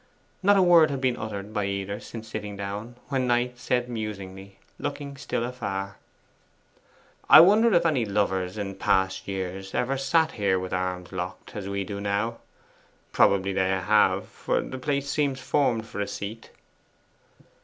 Not a word had been uttered by either since sitting down, when Knight said musingly, looking still afar 'I wonder if any lovers in past years ever sat here with arms locked, as we do now. Probably they have, for the place seems formed for a seat.